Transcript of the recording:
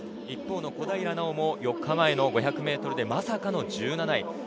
一方の小平奈緒も４日前の５００ｍでまさかの１７位。